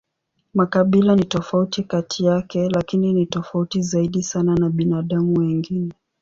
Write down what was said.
Makabila ni tofauti kati yake, lakini ni tofauti zaidi sana na binadamu wengine.